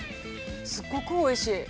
すごくおいしい。